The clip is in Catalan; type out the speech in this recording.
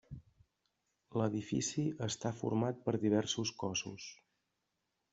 L'edifici està format per diversos cossos.